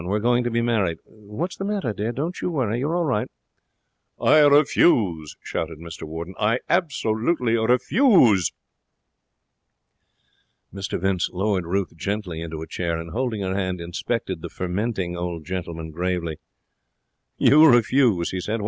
We're going to be married. What's the matter, dear? Don't you worry; you're all right.' 'I refuse!' shouted Mr Warden. 'I absolutely refuse.' Mr Vince lowered Ruth gently into a chair and, holding her hand, inspected the fermenting old gentleman gravely. 'You refuse?' he said.